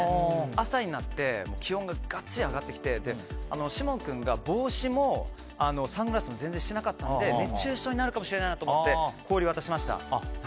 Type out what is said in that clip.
朝になって気温がガッツリ上がってきて士門君が帽子もサングラスも全然してなかったので熱中症になるかもしれないなと思って氷を渡しました。